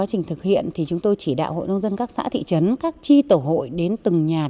sinh sống tại quốc gia